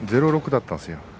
０−６だったんですよ。